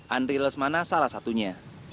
andri lesmana salah satunya